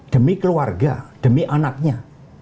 demi keluarga demi anaknya